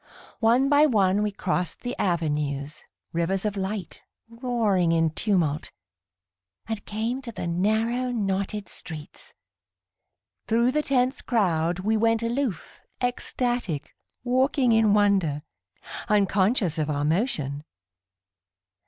One by one we crossed the avenues, Rivers of light, roaring in tumult, And came to the narrow, knotted streets. Thru the tense crowd We went aloof, ecstatic, walking in wonder, Unconscious of our motion.